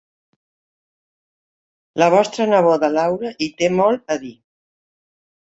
La vostra neboda Laura hi té molt a dir.